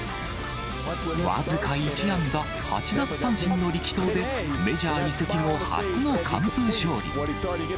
僅か１安打、８奪三振の力投で、メジャー移籍後初の完封勝利。